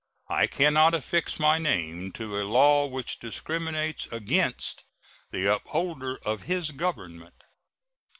I can not affix my name to a law which discriminates against the upholder of his Government.